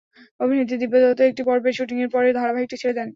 অভিনেত্রী দিব্যা দত্ত একটি পর্বের শুটিংয়ের পরে ধারাবাহিকটি ছেড়ে দেন।